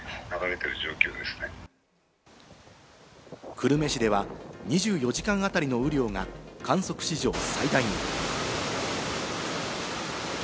久留米市では２４時間当たりの雨量が観測史上最大に。